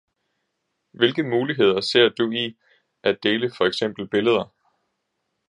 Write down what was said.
Hvilke muligheder ser du i at dele fx billeder?